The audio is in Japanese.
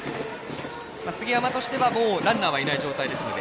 杉山としてはもうランナーはいない状態ですので。